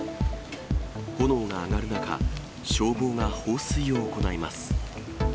炎が上がる中、消防が放水を行います。